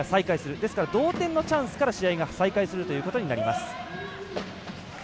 ですので、同点のチャンスから試合が再開するということになります。